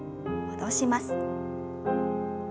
戻します。